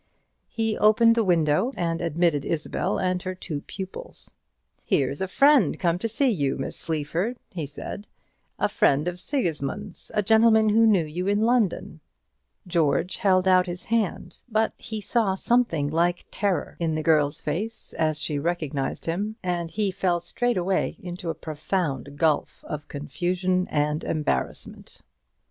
He opened the window and admitted Isabel and her two pupils. "Here's a friend come to see you, Miss Sleaford," he said; "a friend of Sigismund's; a gentleman who knew you in London." George held out his hand, but he saw something like terror in the girl's face as she recognized him; and he fell straightway into a profound gulf of confusion and embarrassment.